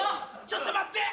ちょっと待って！